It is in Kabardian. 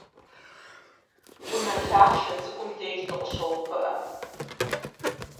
Унэ лъахъшэ цӀыкӀум деж дыкъыщоувыӀэ.